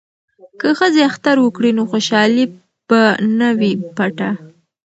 که ښځې اختر وکړي نو خوشحالي به نه وي پټه.